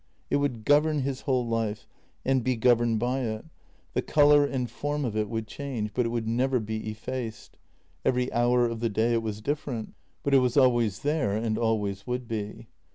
It would govern his whole life — and be governed by it; the JENNY 2 97 colour and form of it would change, but it would never be effaced. Every hour of the day it was different, but it was always there, and always would be.